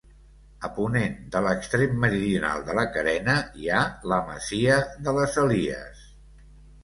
A ponent de l'extrem meridional de la carena hi ha la masia de les Elies.